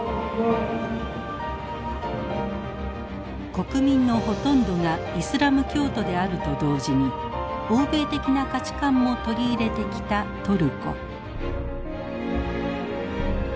国民のほとんどがイスラム教徒であると同時に欧米的な価値観も取り入れてきたトルコ。